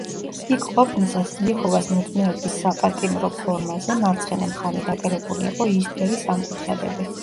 იქ ყოფნისას იეჰოვას მოწმეების საპატიმრო ფორმაზე, მარცხენა მხარეს დაკერებული იყო იისფერი სამკუთხედები.